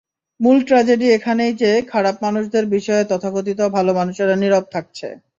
মূল ট্র্যাজেডি এখানেই যে, খারাপ মানুষদের বিষয়ে তথাকথিত ভালো মানুষেরাও নীরব থাকছে।